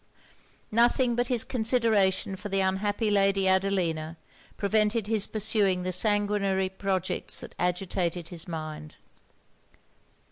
Nothing but his consideration for the unhappy Lady Adelina prevented his pursuing the sanguinary projects that agitated his mind.